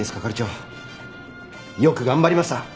よく頑張りました。